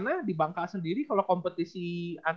itu kalau di sana di bangka sendiri kalau kompetisi itu kayak gimana